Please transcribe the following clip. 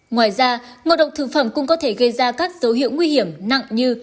ngoài ra ngộ độc thực phẩm cũng có thể gây ra các dấu hiệu nguy hiểm nặng như